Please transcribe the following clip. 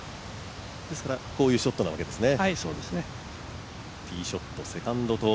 ですからこういうショットなわけですね。